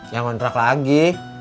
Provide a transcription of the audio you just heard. yang kontrak lagi